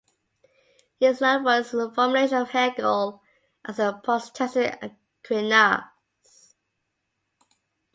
He is known for his formulation of Hegel as 'the Protestant Aquinas'.